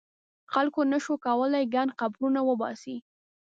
خلکو نه شو کولای ګڼ قبرونه وباسي.